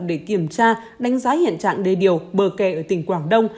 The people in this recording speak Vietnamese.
để kiểm tra đánh giá hiện trạng đề điều bờ kè ở tỉnh quảng đông